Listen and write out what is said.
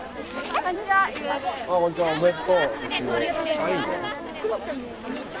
こんにちはっす。